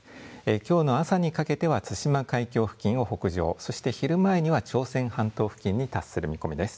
きょうの朝にかけては対馬海峡付近を北上そして昼前には朝鮮半島付近に達する見込みです。